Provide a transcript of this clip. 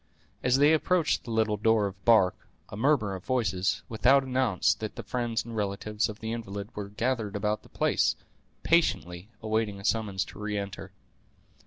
As they approached the little door of bark, a murmur of voices without announced that the friends and relatives of the invalid were gathered about the place, patiently awaiting a summons to re enter.